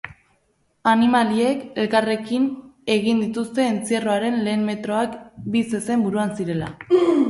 Animaliek elkarrekin egin dituzte entzierroaren lehen metroak, bi zezen buruan zirela.